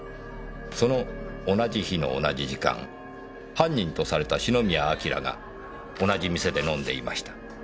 その同じ日の同じ時間犯人とされた篠宮彬が同じ店で飲んでいました。